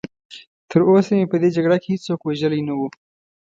تراوسه مې په دې جګړه کې هېڅوک وژلی نه و.